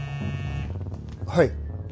はい。